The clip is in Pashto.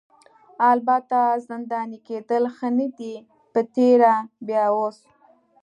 البته زنداني کیدل ښه نه دي په تېره بیا اوس.